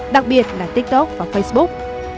đặc biệt là tiktok và facebook